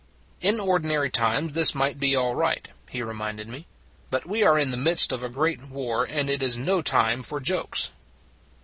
" In ordinary times this might be all right," he reminded me; "but we are in the midst of a great war, and it is no time for jokes."